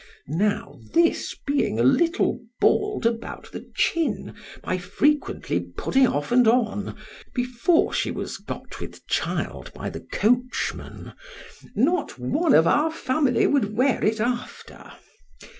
Now this being a little bald about the chin, by frequently putting off and on, before she was got with child by the coachman—not one of our family would wear it after.